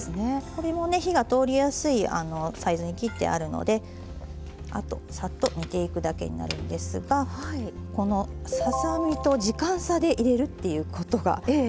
これもね火が通りやすいサイズに切ってあるのであとサッと煮ていくだけになるんですがこのささ身と時間差で入れるっていうことがとてもポイントになります。